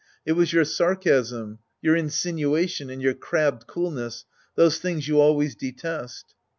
It was your sarcasm, your insinuation and your crabbed coolness, those things you always detest.